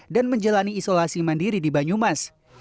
dan menjalani isolasi mandiri di banyumas